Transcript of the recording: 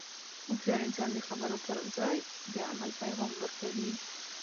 هوښیار انسان د خبرو پر ځای د عمل پیغام ورکوي.